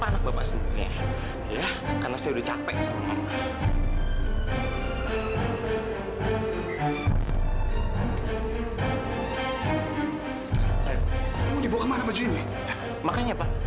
sampai jumpa di video selanjutnya